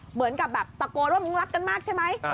เหมือนกับแบบตะโกนว่ามึงรักกันมากใช่ไหม